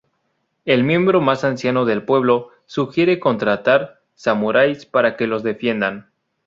El miembro más anciano del pueblo sugiere contratar samuráis para que los defiendan.